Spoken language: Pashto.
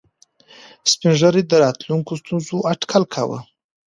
سپین ږیرو د راتلونکو ستونزو اټکل کاوه.